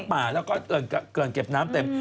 ป่าแล้วก็เกินเก็บน้ำเต็ม